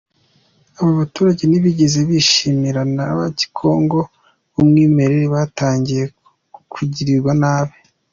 Aba baturage ntibigeze bishimirwa n’abanye-Congo b’umwimerere batangira kugirirwa nabi.